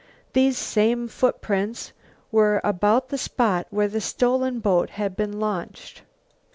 These same footprints were about the spot where the stolen boat had been launched.